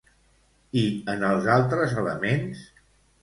I en els altres elements?